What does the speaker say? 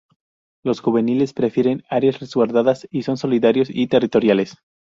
Los juveniles prefieren áreas resguardadas, y son solitarios y territoriales.